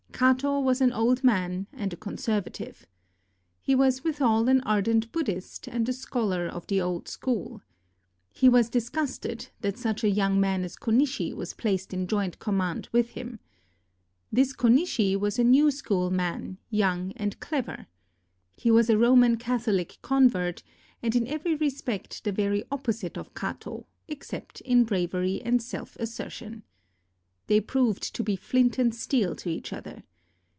Kato was an old man and a con servative. He was withal an ardent Buddhist and a scholar of the old school. He was disgusted that such a young man as Konishi was placed in joint command with him. This Konishi was a new school man, young and clever. He was a Roman CathoHc convert, and in every respect the very opposite of Kato, except in brav ery and self assertion. They proved to be flint and steel to each other.